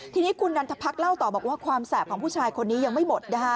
ทีนี้คุณนันทพรรคเล่าต่อบอกว่าความแสบของผู้ชายคนนี้ยังไม่หมดนะคะ